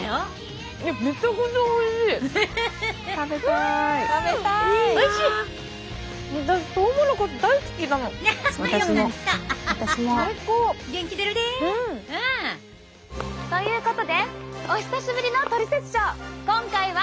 うん！ということでお久しぶりの「トリセツショー」今回は。